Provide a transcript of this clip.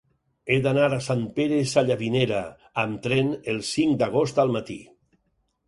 He d'anar a Sant Pere Sallavinera amb tren el cinc d'agost al matí.